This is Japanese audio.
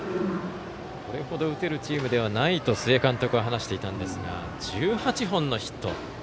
これほど打てるチームではないと須江監督は話していたんですが１８本のヒット。